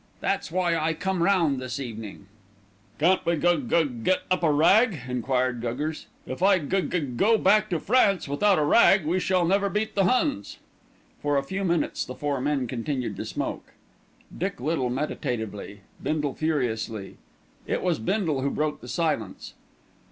That's why I come round this evenin'." "Can't we gug gug get up a rag?" enquired Guggers. "If I gug gug go back to France without a rag we shall never beat the Huns." For a few minutes the four men continued to smoke, Dick Little meditatively, Bindle furiously. It was Bindle who broke the silence.